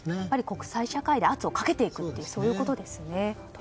国際社会で圧をかけていくとそういうことですね。